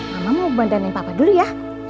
mama mau bandanin papa dulu ya